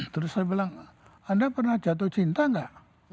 terus saya bilang anda pernah jatuh cinta nggak